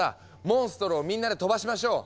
モンストロをみんなで飛ばしましょう。